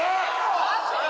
マジかよ。